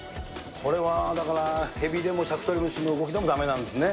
これはだから、ヘビでもシャクトリムシの動きでもだめなんですね。